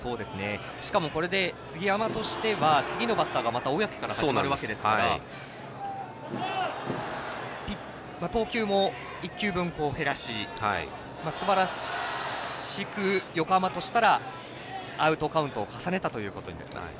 しかもこれで杉山としては次のバッターがまた小宅から始まるわけですから投球も１球分、減らしすばらしく横浜としたらアウトカウントを重ねたということになります。